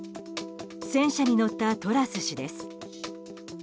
戦車に乗ったトラス氏です。